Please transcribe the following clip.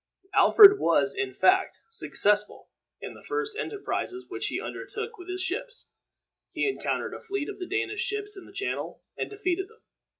Alfred was, in fact, successful in the first enterprises which he undertook with his ships. He encountered a fleet of the Danish ships in the Channel, and defeated them.